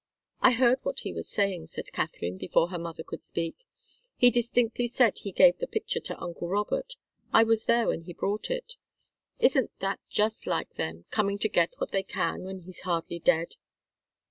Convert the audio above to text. "I heard what he was saying," said Katharine, before her mother could speak. "He distinctly said he gave the picture to uncle Robert. I was there when he brought it. Isn't that just like them coming to get what they can when he's hardly dead!"